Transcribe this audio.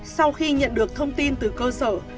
sau khi nhận được thông tin từ cơ giáo